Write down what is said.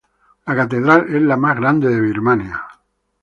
La catedral es la más grande de Birmania.